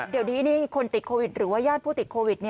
เดี๋ยวนี้คนติดโควิดหรือว่าญาติผู้ติดโควิด